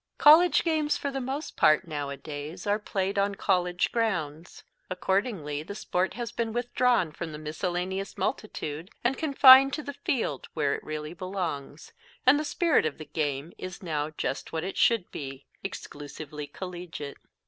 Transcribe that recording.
College games, for the most part, nowadays are played on college grounds. Accordingly the sport has been withdrawn from the miscellaneous multitude and confined to the field where it really belongs and the spirit of the game is now just what it should be exclusively collegiate.